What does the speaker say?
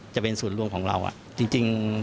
จะเป็นศูนย์ร่วงของเราน่ะ